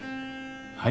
はい？